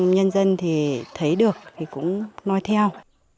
nhân dân thì thấy được thì cũng nói theo